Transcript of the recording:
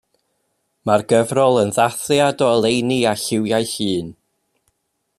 Mae'r gyfrol yn ddathliad o oleuni a lliwiau Llŷn.